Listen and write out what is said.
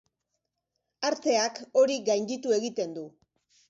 Arteak hori gainditu egiten du.